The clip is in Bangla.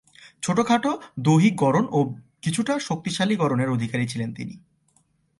ছোট-খাঁটো দৈহিক গড়ন ও কিছুটা শক্তিশালী গড়নের অধিকারী ছিলেন তিনি।